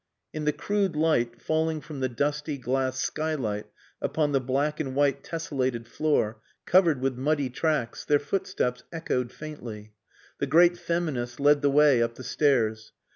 In the crude light falling from the dusty glass skylight upon the black and white tessellated floor, covered with muddy tracks, their footsteps echoed faintly. The great feminist led the way up the stairs.